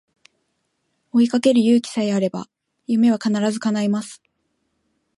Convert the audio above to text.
追いかける勇気さえあれば夢は必ず叶います